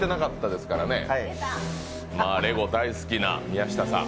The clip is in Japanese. レゴ大好きな宮下さん